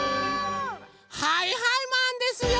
はいはいマンですよ！